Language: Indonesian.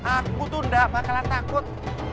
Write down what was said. aku tuh enggak bakalan takut